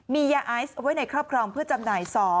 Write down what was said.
มียาไอซ์ไว้ในครอบครองเพื่อจำหน่าย๒